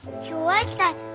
今日は行きたい。